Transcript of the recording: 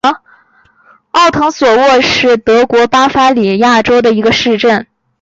奥滕索斯是德国巴伐利亚州的一个市镇。